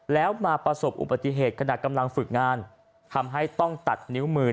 แล้วมาประสบอุบัติเหตุขณะกำลังฝึกงานทำให้ต้องตัดนิ้วมือ